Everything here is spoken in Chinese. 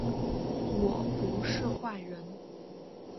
我不是坏人